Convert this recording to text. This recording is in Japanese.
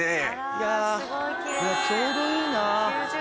いやちょうどいいな。